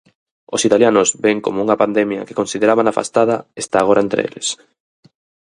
Os italianos ven como unha pandemia que consideraban afastada está agora entre eles.